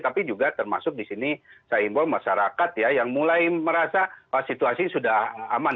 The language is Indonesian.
tapi juga termasuk disini saya ingin bahwa masyarakat ya yang mulai merasa situasi sudah aman